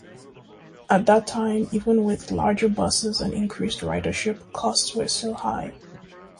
At that time, even with larger buses and increased ridership, costs were still high.